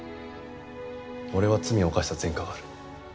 俺は罪を犯した前科がある。